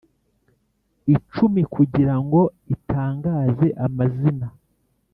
icumi kugirango itangaze amazina